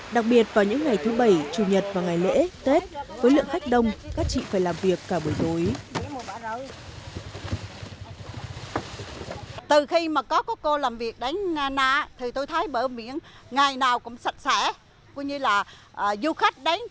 đặc biệt vào những ngày thứ bảy chủ nhật và ngày lễ tết với lượng khách đông